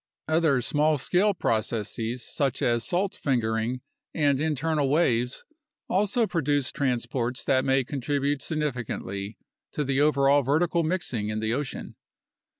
Other small scale processes such as salt fingering and internal waves also produce transports that may contribute significantly to the overall vertical mixing in the ocean.